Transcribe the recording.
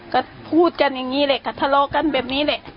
ก็พูดกันอย่างนี้แหละค่ะทะเลาะกันแบบนี้แหละ